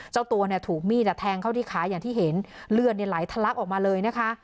เจ้าตัวเนี่ยถูกมีดแทงเข้าที่ขาอย่างที่เห็นเลือดไหลทะลักออกมาเลยนะคะ